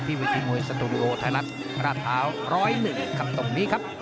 ที่วิทยาลัยมวยสตูดิโอไทยรัฐราชาวร้อยหนึ่งครับตรงนี้ครับ